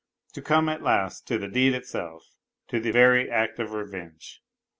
To come at last to the deed itself, to the very act of revenge.